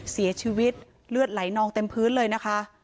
เสียชีวิตเลือดไหลนองเต็มพื้นเลยนะคะ